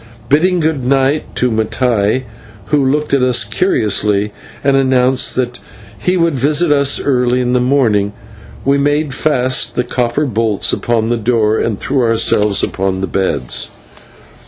Bidding good night to Mattai, who looked at us curiously and announced that he would visit us early in the morning, we made fast the copper bolts upon the door and threw ourselves upon the beds.